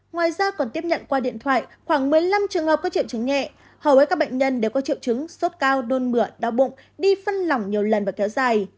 ngoài ra còn tiếp nhận qua điện thoại khoảng một mươi năm trường hợp có triệu chứng nhẹ hầu hết các bệnh nhân đều có triệu chứng sốt cao đôn mửa đau bụng đi phân lỏng nhiều lần và kéo dài